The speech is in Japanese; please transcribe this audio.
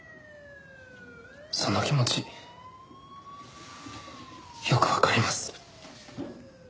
その気持ちよくわかります。